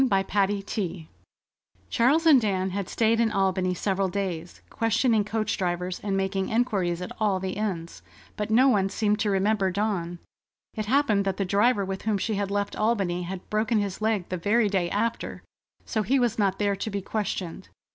CHAPTER XXVII Charles and Dan had stayed in Albany several days, questioning coach drivers and making enquiries at all the inns; but no one seemed to remember Dawn. It happened that the driver with whom she had left Albany had broken his leg the very day after, so he was not there to be questioned.